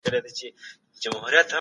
هغوی به همکاري کړې وي.